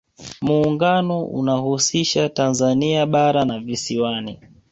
muungano unahusisha tanzania bara na visiwani